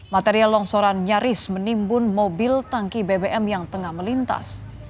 material longsoran nyaris menimbun mobil tangki bbm yang tengah melintas